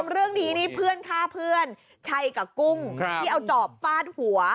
เรื่องนี้นี่เพื่อนฆ่าเพื่อนชัยกับกุ้งที่เอาจอบฟาดหัว